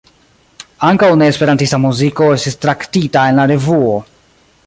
Ankaŭ ne-esperantista muziko estis traktita en la revuo.